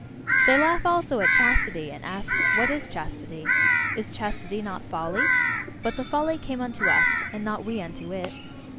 They laugh also at chastity, and ask: "What is chastity? Is chastity not folly? But the folly came unto us, and not we unto it.